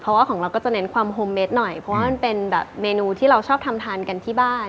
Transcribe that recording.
เพราะว่าของเราก็จะเน้นความโฮมเม็ดหน่อยเพราะว่ามันเป็นแบบเมนูที่เราชอบทำทานกันที่บ้าน